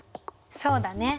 そうだね。